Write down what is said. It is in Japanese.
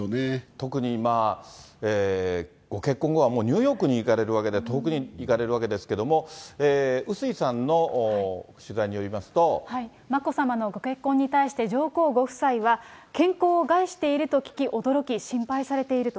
特にご結婚後はニューヨークに行かれるわけで、遠くに行かれるわけですけれども、眞子さまのご結婚に対して、上皇ご夫妻は、健康を害していると聞き、驚き、心配されていると。